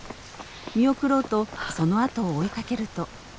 見送ろうとそのあとを追いかけると。